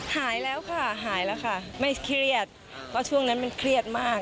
หายแล้วค่ะหายแล้วค่ะไม่เครียดเพราะช่วงนั้นมันเครียดมาก